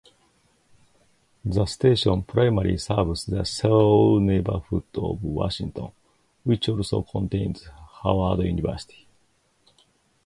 The station primarily serves the Shaw neighborhood of Washington, which also contains Howard University.